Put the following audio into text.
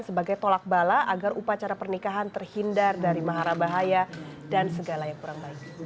sebagai tolak bala agar upacara pernikahan terhindar dari mahara bahaya dan segala yang kurang baik